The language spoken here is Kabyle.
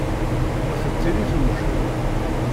Ur tettili tewjed.